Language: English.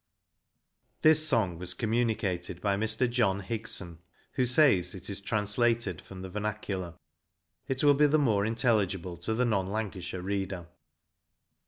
This song was communicated by Mr. John Higson, who says it is "translated from the vernacular." It will be the more intelligible to the non Lancashire reader.